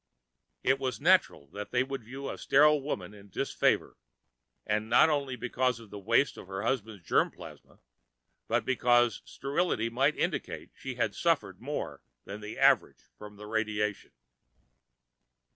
It was natural that they should view a sterile woman with disfavor, and not only because of the waste of her husband's germ plasm, but because sterility might indicate that she had suffered more than the average from radiation.